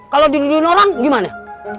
kalau diduduin orang gimana